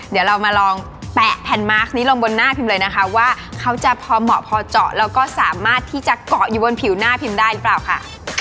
เดี๋ยวเรามาลองแปะแผ่นมาร์คนี้ลงบนหน้าพิมพ์เลยนะคะว่าเขาจะพอเหมาะพอเจาะแล้วก็สามารถที่จะเกาะอยู่บนผิวหน้าพิมได้หรือเปล่าค่ะ